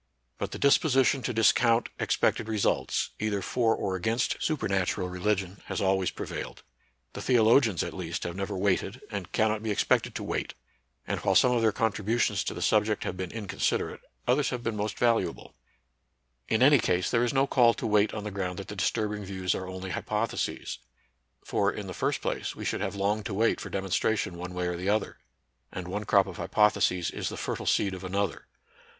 But the dis position to discount expected results, either for or against supernatural religion, has alw'ays pre vailed. The theologians at least have never waited, and cannot be expected to wait; and while some of their contributions to the subject have been inconsiderate, others have been most valuable. NATURAL SCIENCE AND RELIGION. 61 In any case, there is no call to wait on the ground that the disturbing views are only hypotheses. For, in the first place, we should have long to wait for demonstration one way or the other; and one crop of hypotheses is the fertile seed of another.